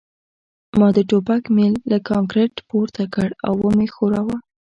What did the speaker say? ما د ټوپک میل له کانکریټ پورته کړ او ومې ښوراوه